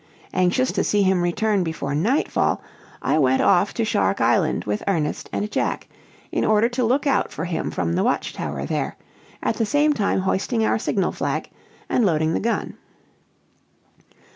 Anxious to see him return before nightfall, I went off to Shark Island with Ernest and Jack, in order to look out for him from the watch tower there, at the same time hoisting our signal flag, and loading the gun.